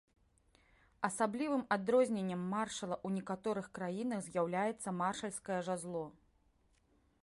Асаблівым адрозненнем маршала ў некаторых краінах з'яўляецца маршальскае жазло.